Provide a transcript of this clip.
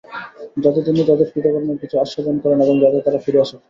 যাতে তিনি তাদের কৃতকর্মের কিছু আস্বাদন করান এবং যাতে তারা ফিরে আসে।